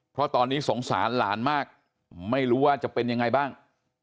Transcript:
เพราะตอนนี้สงสารหลานมากไม่รู้ว่าจะเป็นยังไงบ้าง